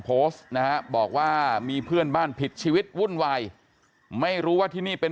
โพสต์นะฮะบอกว่ามีเพื่อนบ้านผิดชีวิตวุ่นวายไม่รู้ว่าที่นี่เป็น